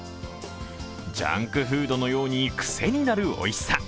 ジャンクフードのようにくせになるおいしさ。